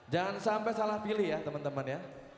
jangan sampai salah pilih ya teman teman ya